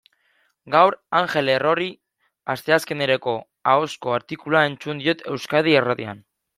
Gaur Angel Errori asteazkeneroko ahozko artikulua entzun diot Euskadi Irratian.